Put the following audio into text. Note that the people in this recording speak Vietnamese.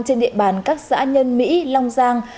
trên địa bàn các xã nhân mỹ long giang